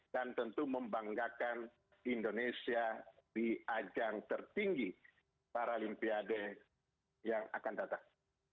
dan tentu membanggakan indonesia di ajang tertinggi paralimpiade yang akan datang